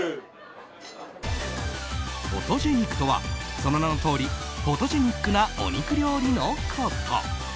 フォトジェ肉とはその名のとおりフォトジェニックなお肉料理のこと。